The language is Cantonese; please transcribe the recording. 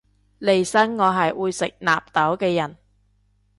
利申我係會食納豆嘅人